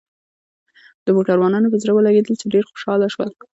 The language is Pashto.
د موټروانانو په زړه ولګېدل، چې ډېر خوشاله شول.